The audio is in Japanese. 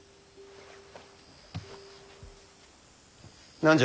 何じゃ？